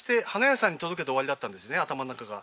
頭の中が。